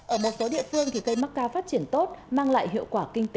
ở một số địa phương thì cây mắc ca phát triển tốt mang lại hiệu quả kinh tế